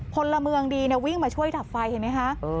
พลเมืองดีวิ่งมาช่วยดับไฟเห็นไหมคะ